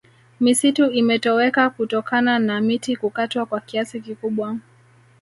misitu imetoweka kutokana na miti kukatwa kwa kiasi kikubwa